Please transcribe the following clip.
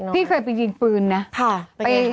พี่เคยไปยิงปืนนะ